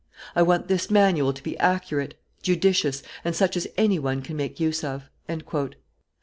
I want this manual to be accurate, judicious, and such as any one can make use of." St.